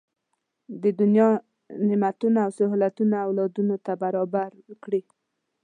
د دنیا نعمتونه او سهولتونه اولادونو ته برابر کړي.